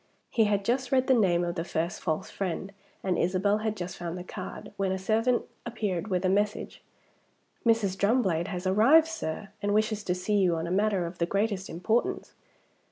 He had just read the name of the first false friend, and Isabel had just found the card, when a servant appeared with a message. "Mrs. Drumblade has arrived, sir, and wishes to see you on a matter of the greatest importance."